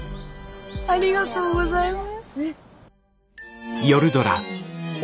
ありがとうございます。